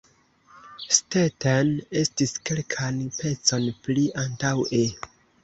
Stetten estis kelkan pecon pli antaŭe.